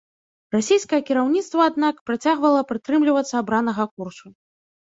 Расійскае кіраўніцтва, аднак, працягвала прытрымлівацца абранага курсу.